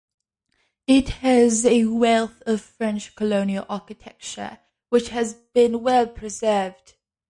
It has a wealth of French colonial architecture, which has been well preserved.